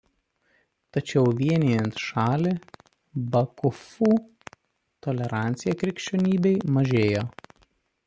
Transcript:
Tačiau vienijant šalį "bakufu" tolerancija krikščionybei mažėjo.